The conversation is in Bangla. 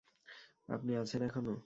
আপনি আছেন এখনো?